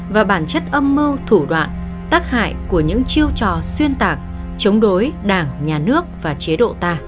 và bản chất âm mưu thủ đoạn tác hại của những chiêu trò xuyên tạc chống đối đảng nhà nước và chế độ ta